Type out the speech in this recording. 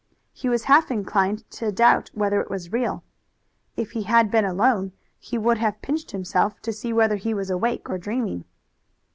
He was half inclined to doubt whether it was real. If he had been alone he would have pinched himself to see whether he was awake or dreaming.